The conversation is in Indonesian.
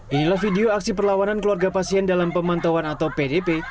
inilah video aksi perlawanan keluarga pasien dalam pemantauan atau pdp